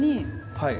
はい。